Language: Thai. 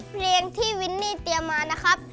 เพลงที่วินนี่เตรียมมานะครับ